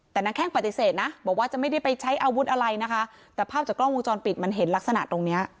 แต่นางแข้งปฏิเสธนะบอกว่าจะไม่ได้ไปใช้อาวุธอะไรนะคะแต่ภาพจากกล้องวงจรปิดมันเห็นลักษณะตรงเนี้ย